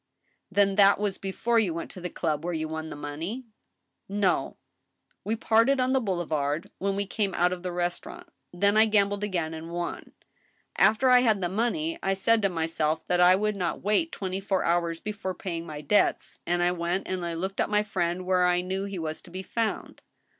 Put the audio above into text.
" Then that was before you went to the club where you won the money ?"" No. ... We parted on the boulevard when we came out of the restaurant. ... Then I gambled again and won. After I had the money I said to myself that I would not wait twenty four, hours before paying my debts, and I went and looked up my friend where I knew he was to be found."